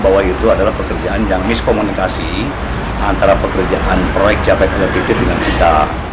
bahwa itu adalah pekerjaan yang miskomunikasi antara pekerjaan proyek capai tanda titip dengan kita